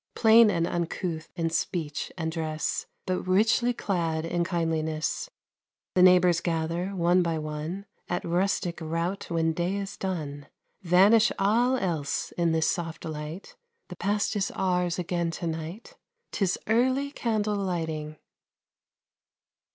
Plain and uncouth in speech and dress, But richly clad in kindliness, The neighbors gather, one by one, At rustic rout when day is done. Vanish all else in this soft light, The past is ours again tonight; 'Tis early candle lighting.